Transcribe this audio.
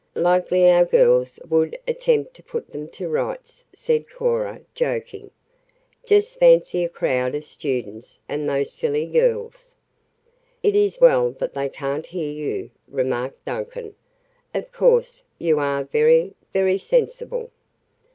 "Likely our girls would attempt to put them to rights," said Cora, joking. "Just fancy a crowd of students, and those silly girls." "It is well that they can't hear you," remarked Duncan. "Of course, you are very very sensible."